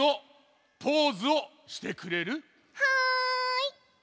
はい。